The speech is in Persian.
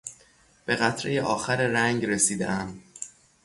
به قطرهی آخر رنگ رسیدهام.